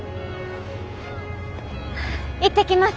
行ってきます。